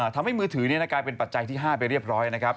ทำให้มือถือกลายเป็นปัจจัยที่๕ไปเรียบร้อยนะครับ